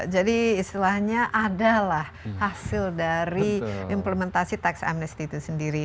jadi istilahnya adalah hasil dari implementasi tax amnesty itu sendiri